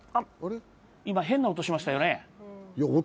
今、変な音しましたよね。